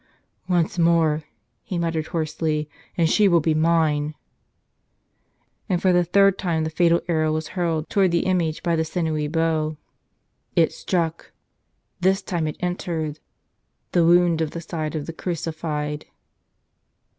"Once more," he muttered hoarsely, "and she will be mine!" And for the third time the fatal arrow was hurled toward the image by the sinewy bow. 93 "Tell Us A nother!" It struck! This time it entered — the wound in the side of the Crucified!